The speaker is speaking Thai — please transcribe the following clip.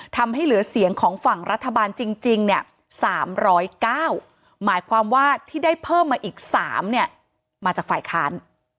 ทำให้เหลือเสียงของฝั่งรัฐบาลจริงเนี่ย๓๐๙หมายความว่าที่ได้เพิ่มมาอีก๓เนี่ยมาจากฝ่ายค้าน